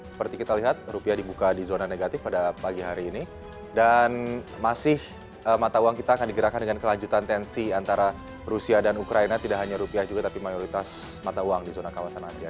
seperti kita lihat rupiah dibuka di zona negatif pada pagi hari ini dan masih mata uang kita akan digerakkan dengan kelanjutan tensi antara rusia dan ukraina tidak hanya rupiah juga tapi mayoritas mata uang di zona kawasan asia